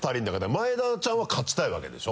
前田ちゃんは勝ちたいわけでしょ？